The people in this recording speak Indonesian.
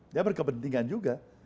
dia berkepentingan juga